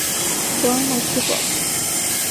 Turn My Teeth Up!